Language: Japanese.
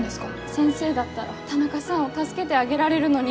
先生だったら田中さんを助けてあげられるのに。